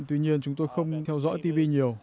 tuy nhiên chúng tôi không theo dõi tv nhiều